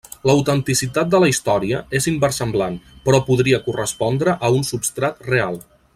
L'autenticitat de la història és inversemblant, però podria correspondre a un substrat real.